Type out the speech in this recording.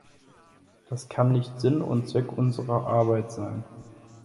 Das kann nicht Sinn und Zweck unserer Arbeit sein.